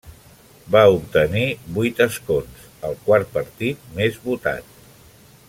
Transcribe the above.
Va obtenir vuit escons, el quart partit més votat.